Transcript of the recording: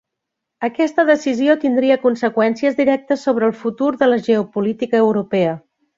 Aquesta decisió tindria conseqüències directes sobre el futur de la geopolítica europea.